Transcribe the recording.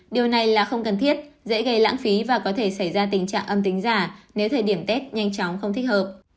điều này là không cần thiết dễ gây lãng phí và có thể xảy ra tình trạng âm tính giả nếu thời điểm tết nhanh chóng không thích hợp